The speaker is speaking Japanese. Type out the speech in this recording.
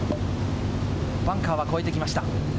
バンカーを越えてきました。